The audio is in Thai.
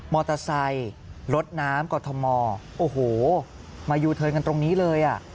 มอเตอร์ไซค์รถน้ำกรทมโอ้โหมายูเทิร์นกันตรงนี้เลยอ่ะ